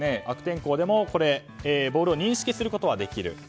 悪天候でもボールを認識することができる。